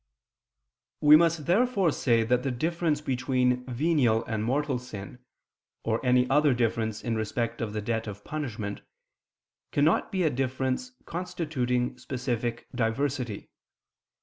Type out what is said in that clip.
We must therefore say that the difference between venial and mortal sin, or any other difference is respect of the debt of punishment, cannot be a difference constituting specific diversity.